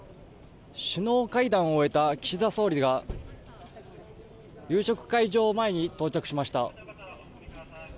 首脳会談を終えた岸田総理が夕食会場前に到着しました。